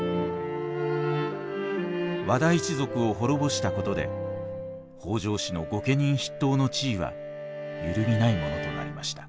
和田一族を滅ぼしたことで北条氏の御家人筆頭の地位は揺るぎないものとなりました。